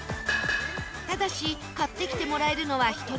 ただし買ってきてもらえるのは１人１品